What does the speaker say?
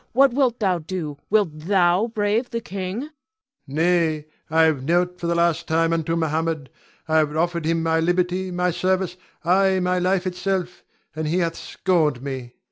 What wilt thou do? Wilt thou brave the king? Ion [proudly]. Nay, I have knelt for the last time unto Mohammed. I have offered him my liberty, my service, ay, my life itself, and he hath scorned me.